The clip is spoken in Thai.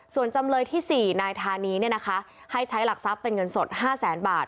ส่วนจำเลยที่๔นายธานีให้ใช้หลักทรัพย์เป็นเงินสด๕แสนบาท